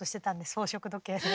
「宝飾時計」で。